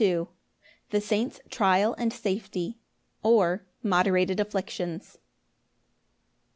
The saints' trial and safety; or, Moderated afflictions.